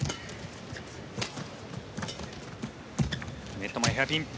ネット前、ヘアピン。